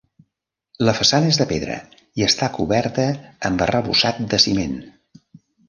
La façana és de pedra i està coberta amb arrebossat de ciment.